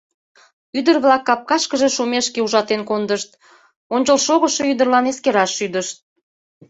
Ӱдыр-влак капкашкыже шумешке ужатен кондышт, ончылшогышо ӱдырлан эскераш шӱдышт.